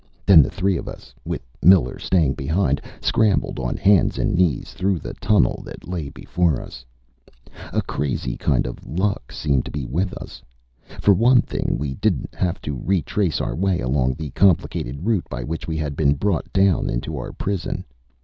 Then the three of us, with Miller staying behind, scrambled on hands and knees through the tunnel that lay before us. A crazy kind of luck seemed to be with us. For one thing, we didn't have to retrace our way along the complicated route by which we had been brought down to our prison.